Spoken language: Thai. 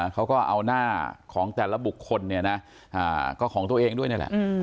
เขาก็เอาหน้าของแต่ละบุคคลก็ของตัวเองด้วยนี่แหละ